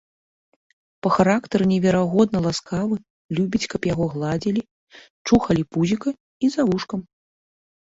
Па характары неверагодна ласкавы, любіць, каб яго гладзілі, чухалі пузіка і за вушкам.